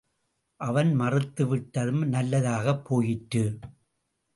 அவன் மறுத்துவிட்டதும் நல்லதாகப் போயிற்று.